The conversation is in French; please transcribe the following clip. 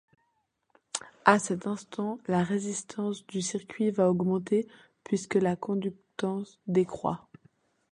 À cet instant la résistance du circuit va augmenter puisque la conductance décroît.